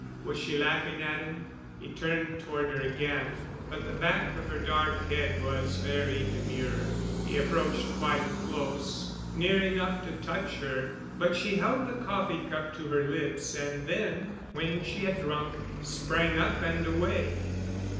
Was she laughing at him? He turned toward her again but the back of her dark head was very demure. He approached quite close, near enough to touch her, but she held the coffee cup to her lips, and then when she had drunk, sprang up and away.